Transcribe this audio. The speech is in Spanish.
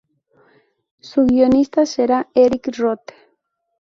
Su guionista será Eric Roth.